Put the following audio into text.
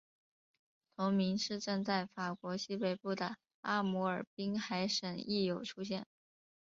同名市镇在法国西北部的阿摩尔滨海省亦有出现。